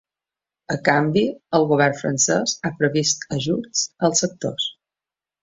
A canvi, el govern francès ha previst ajuts als sectors.